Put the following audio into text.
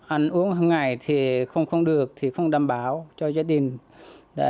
ăn uống hàng ngày thì không được thì không đảm bảo cho gia đình